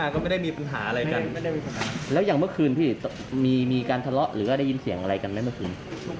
เชออะไรข้างล่างอย่างเมื่อคืน